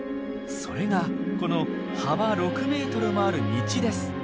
それがこの幅６ｍもある道です。